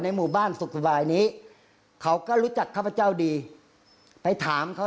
หมู่บ้านสุขสบายนี้เขาก็รู้จักข้าพเจ้าดีไปถามเขา